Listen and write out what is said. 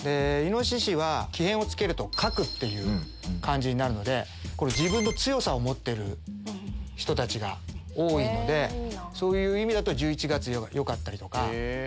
「亥」は木偏を付けると。っていう漢字になるので自分の強さを持ってる人たちが多いのでそういう意味だと１１月良かったりとか。